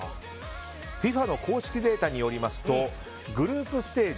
ＦＩＦＡの公式データによりますとグループステージ